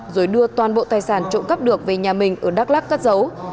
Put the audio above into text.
rồi đưa toàn bộ tài sản trộm cắp được về nhà mình ở đắk lắc cất giấu